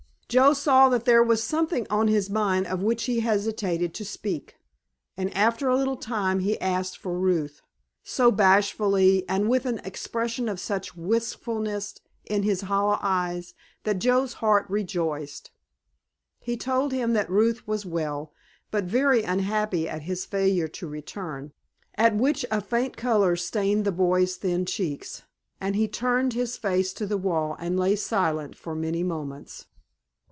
Joe saw that there was something on his mind of which he hesitated to speak, and after a little time he asked for Ruth, so bashfully, and with an expression of such wistfulness in his hollow eyes that Joe's heart rejoiced. He told him that Ruth was well, but very unhappy at his failure to return, at which a faint color stained the boy's thin cheeks, and he turned his face to the wall and lay silent for many moments.